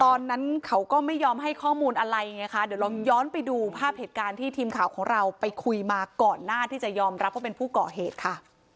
ตอนนั้นเขาก็ไม่ยอมให้ข้อมูลอะไรไงคะเดี๋ยวลองย้อนไปดูภาพเหตุการณ์ที่ทีมข่าวของเราไปคุยมาก่อนหน้าที่จะยอมรับว่าเป็นผู้ก่อเหตุค่ะ